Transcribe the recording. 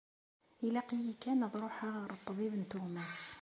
Ilaq-iyi kan ad ruḥeɣ ɣer ṭṭbib n teɣmas.